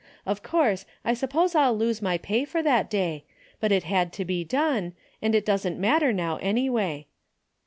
Of course, I sup pose I'll lose my pay for that day, but it had to be done, and it doesn't matter now anyway.